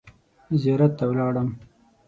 زیارت ته ولاړم.